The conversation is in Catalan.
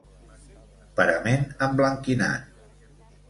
Parament emblanquinat.